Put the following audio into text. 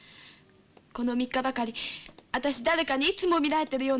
この３日ばかり私誰かにいつも見られてるような気がして。